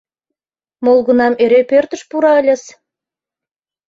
Молгунам эре пӧртыш пура ыльыс.